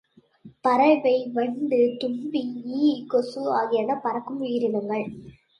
பறவை, வண்டு, தும்பி, ஈ, கொசு ஆகியன பறக்கும் உயிரினங்கள்.